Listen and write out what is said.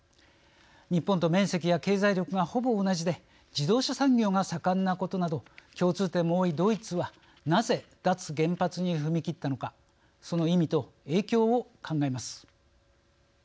日本と面積や経済力がほぼ同じで自動車産業が盛んなことなど共通点も多いドイツはなぜ脱原発に踏み切ったのかその意味と影響を考えます。